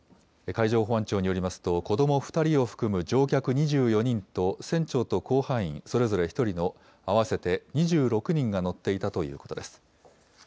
海上保安庁によりますと、子ども２人を含む乗客２４人と船長と甲板員、それぞれ１人の、合わせて２６人が乗っていたということです。